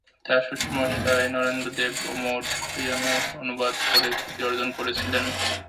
তাঁর শ্বশুর মশাই নরেন্দ্র দেব ওমর খৈয়ামের অনুবাদ করে খ্যাতি অর্জন করেছিলেন।